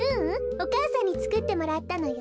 おかあさんにつくってもらったのよ。